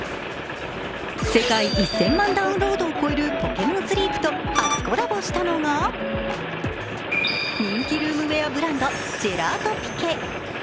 世界１０００万ダウンロードを超える「ＰｏｋｅｍｏｎＳｌｅｅｐ」と初コラボしたのが人気ルームウエアブランド、ジェラートピケ。